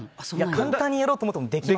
簡単にやろうと思ってもできません。